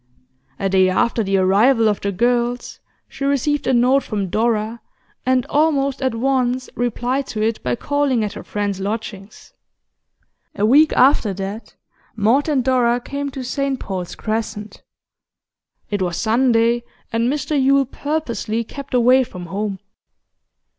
A day after the arrival of the girls, she received a note from Dora, and almost at once replied to it by calling at her friends' lodgings. A week after that, Maud and Dora came to St Paul's Crescent; it was Sunday, and Mr Yule purposely kept away from home.